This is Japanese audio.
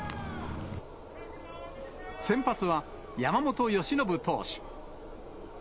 先発は山本由伸投手。